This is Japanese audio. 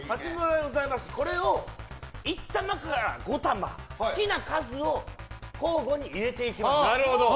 これを１玉から５玉好きな数を交互に入れていきます。